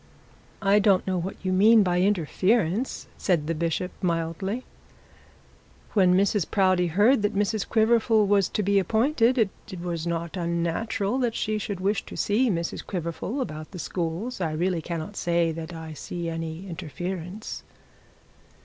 'I don't know what you mean by interference,' said the bishop mildly. 'When Mrs Proudie heard that Mr Quiverful was to be appointed, it was not unnatural that she should wish to see Mrs Quiverful about the schools. I really cannot say that I see any interference.'